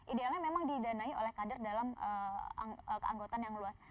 idealnya memang didanai oleh kader dalam keanggotaan yang luas